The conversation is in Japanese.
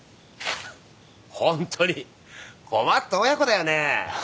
ホントに困った親子だよね。